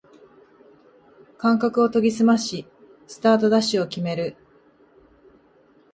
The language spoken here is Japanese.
感覚を研ぎすましスタートダッシュを決める